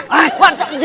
này quan trọng gì